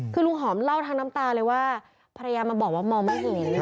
คือลุงหอมเล่าทั้งน้ำตาเลยว่าภรรยามาบอกว่ามองไม่เห็น